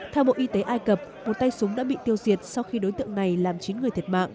theo bộ y tế ai cập một tay súng đã bị tiêu diệt sau khi đối tượng này làm chín người thiệt mạng